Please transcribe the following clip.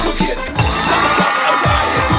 มันเปลี่ยนคำว่ามันไม่ใช่ระวังจุกและไม่ใช่โหลดตุ๊ก